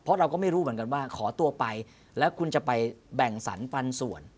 เพราะเราก็ไม่รู้เหมือนกันว่าขอตัวไปแล้วคุณจะไปแบ่งสรรปันส่วน